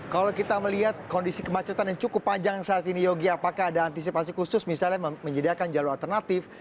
kalau kita melihat kondisi kemacetan yang cukup panjang saat ini yogi apakah ada antisipasi khusus misalnya menyediakan jalur alternatif